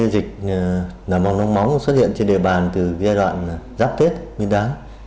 dịch lở mồm long móng xuất hiện trên địa bàn từ giai đoạn giáp tết miên đá